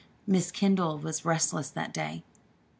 Miss Kendall was restless that day.